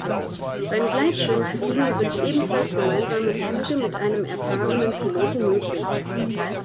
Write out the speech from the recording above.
Beim Gleitschirmfliegen sind ebenfalls gemeinsame Flüge mit einem erfahrenen Piloten möglich.